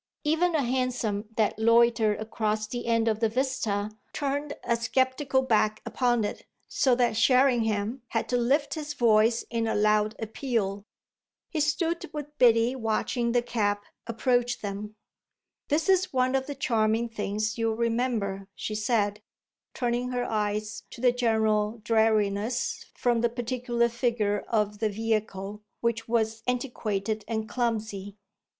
Even a hansom that loitered across the end of the vista turned a sceptical back upon it, so that Sherringham had to lift his voice in a loud appeal. He stood with Biddy watching the cab approach them. "This is one of the charming things you'll remember," she said, turning her eyes to the general dreariness from the particular figure of the vehicle, which was antiquated and clumsy.